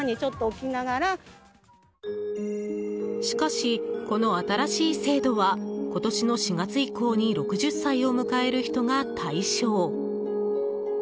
しかし、この新しい制度は今年の４月以降に６０歳を迎える人が対象。